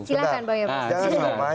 silahkan bang emrus